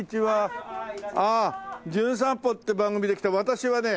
『じゅん散歩』って番組で来た私はね